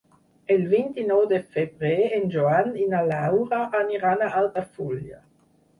El vint-i-nou de febrer en Joan i na Laura aniran a Altafulla.